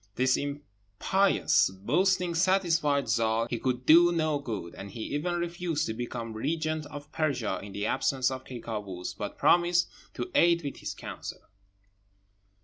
This impious boasting satisfied Zâl he could do no good; and he even refused to become regent of Persia in the absence of Ky Kâoos, but promised to aid with his counsel.